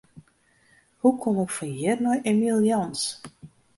Hoe kom ik fan hjir nei Emiel Jans?